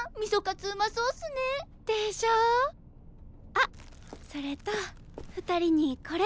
あっそれと２人にこれ。